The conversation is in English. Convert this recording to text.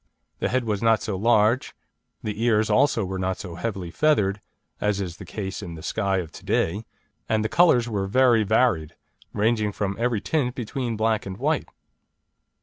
The head was not so large, the ears also were not so heavily feathered, as is the case in the Skye of to day, and the colours were very varied, ranging from every tint between black and white.